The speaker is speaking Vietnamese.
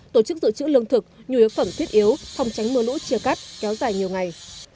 tổ chức dự trữ lương thực nhu yếu phẩm thiết yếu phòng tránh mưa lũ chia cắt kéo dài nhiều ngày